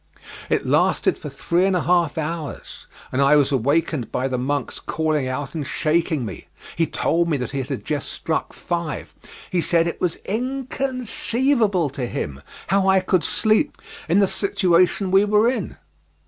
It lasted for three and a half hours, and I was awakened by the monk's calling out and shaking me. He told me that it had just struck five. He said it was inconceivable to him how I could sleep in the situation we were in.